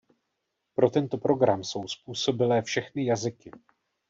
Pro tento program jsou způsobilé všechny jazyky.